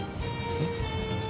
えっ？